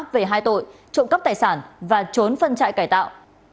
về hai tội trộm cắp tài sản và trốn phân trại cải tạo